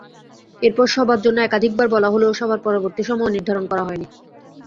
এরপর সভার জন্য একাধিকবার বলা হলেও সভার পরবর্তী সময়ও নির্ধারণ করা হয়নি।